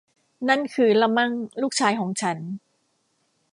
นั่นคือละมั่งลูกชายของฉัน